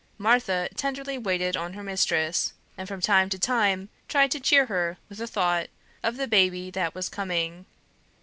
Martha tenderly waited on her mistress, and from time to time tried to cheer her with the thought of the baby that was coming.